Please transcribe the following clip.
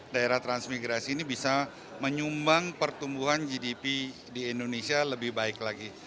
daerah transmigrasi ini bisa menyumbang pertumbuhan gdp di indonesia lebih baik lagi